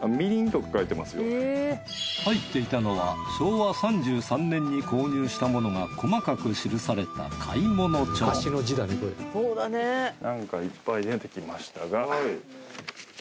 入っていたのは昭和３３年に購入したものが細かく記された買い物帳なんかいっぱい出てきましたが。